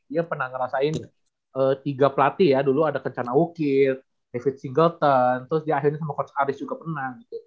dia pernah ngerasain tiga pelatih ya dulu ada kencana ukir david singleton terus dia akhirnya sama coach aris juga pernah